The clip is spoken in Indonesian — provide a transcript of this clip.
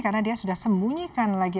karena dia sudah sembunyikan lagi